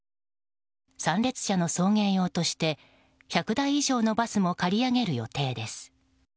参列者の送迎用として１００台以上のバスも借り上げる予定です。